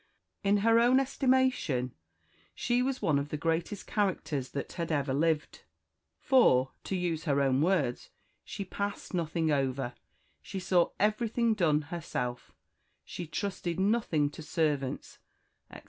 In her own estimation she was one of the greatest characters that had ever lived; for, to use her own words, she passed nothing over she saw everything done herself she trusted nothing to servants, etc.